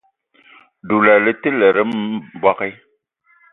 Doula le te lene mbogui.